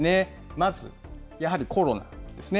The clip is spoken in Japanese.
まず、やはりコロナですね。